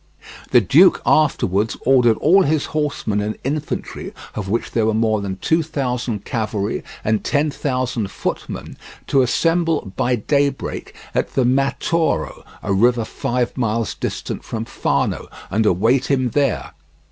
The duke afterwards ordered all his horsemen and infantry, of which there were more than two thousand cavalry and ten thousand footmen, to assemble by daybreak at the Metauro, a river five miles distant from Fano, and await him there.